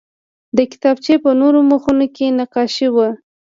د کتابچې په نورو مخونو کې نقاشي وه